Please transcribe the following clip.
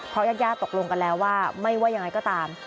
เพราะยาตร์ย่าจะตกลงกันแล้วว่าไม่ว่ายังไงก็ตาม